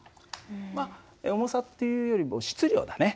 まっ重さっていうよりも質量だね。